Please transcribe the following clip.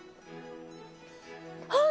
あっ！